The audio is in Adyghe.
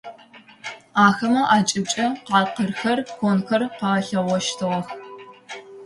Ахэмэ акӏыбкӏэ къакъырхэр, конхэр къэлъагъощтыгъэх.